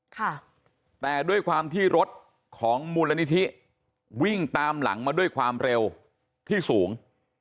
ค่ะแต่ด้วยความที่รถของมูลนิธิวิ่งตามหลังมาด้วยความเร็วที่สูง